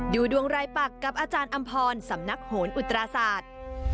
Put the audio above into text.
ดูดวงรายปักกับอาจารย์อำพรสำนักโหนอุตราศาสตร์